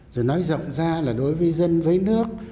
rồi nói rộng ra là đối với dân với nước